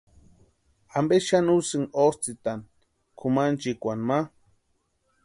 ¿Ampe xani úsïni otsʼïtani kʼumanchikwani ma?